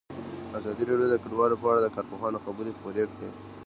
ازادي راډیو د کډوال په اړه د کارپوهانو خبرې خپرې کړي.